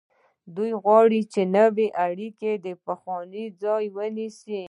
دوی غواړي چې نوې اړیکې د پخوانیو ځای ونیسي.